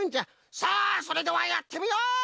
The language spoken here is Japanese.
さあそれではやってみよう！